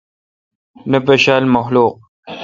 نہ پشا ل مخلوق۔